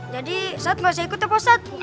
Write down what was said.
jadi ustadz gak usah ikut ya pak ustadz